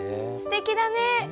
すてきだね。